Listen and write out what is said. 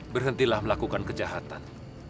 berhentilah melakukan kejahatan